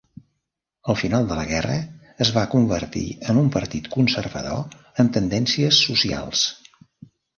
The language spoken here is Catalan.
Al final de la guerra es va convertir en un partit conservador amb tendències socials.